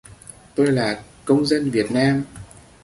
tôi là công dân việt nam